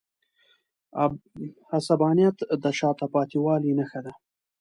عصبانیت د شاته پاتې والي نښه ده.